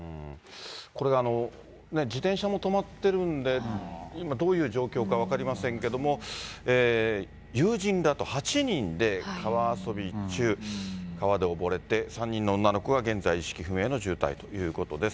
これ、自転車も止まっているんで、今、どういう状況か分かりませんけども、友人らと８人で川遊び中、川で溺れて３人の女の子が、現在意識不明の重体ということです。